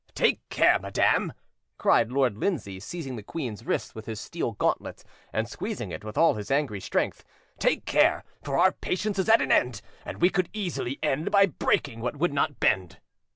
"Take care, madam," cried Lord Lindsay, seizing the queen's wrist with his steel gauntlet and squeezing it with all his angry strength—"take care, for our patience is at an end, and we could easily end by breaking what would not bend."